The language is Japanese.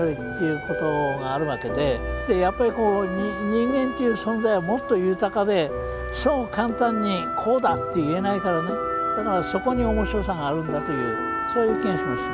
やっぱりこう人間という存在はもっと豊かでそう簡単にこうだと言えないからだからそこに面白さがあるんだというそういう気がします。